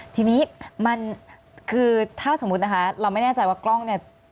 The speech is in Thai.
ทีนี้มันคือถ้าสมมุตินะคะเราไม่แน่ใจว่ากล้องเนี่ย